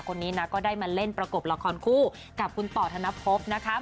คนนี้นะก็ได้มาเล่นประกบละครคู่กับคุณต่อธนภพนะคะ